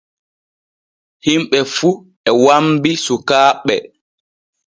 Himɓe fu e wambi sukaaɓe.